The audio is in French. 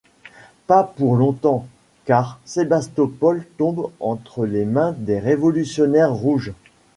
Pas pour longtemps, car Sébastopol tombe entre les mains des révolutionnaires rouges.